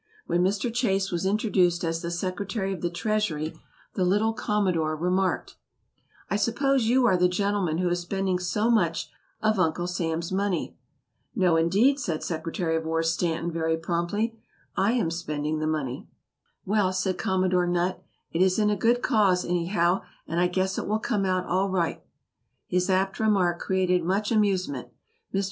When Mr. Chase was introduced as the Secretary of the Treasury, the little Commodore remarked: "I suppose you are the gentleman who is spending so much of Uncle Sam's money?" "No, indeed," said Secretary of War Stanton, very promptly: "I am spending the money." "Well," said Commodore Nutt, "it is in a good cause, anyhow, and I guess it will come out all right." His apt remark created much amusement. Mr.